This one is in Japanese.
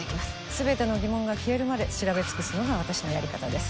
全ての疑問が消えるまで調べ尽くすのが私のやり方です